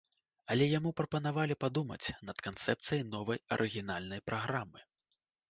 Але яму прапанавалі падумаць над канцэпцыяй новай арыгінальнай праграмы.